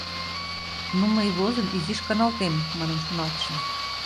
Ну, мый, возын, изиш каналтем, манын шоналтышым.